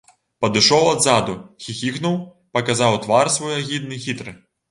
Падышоў адзаду, хіхікнуў, паказаў твар свой агідны, хітры.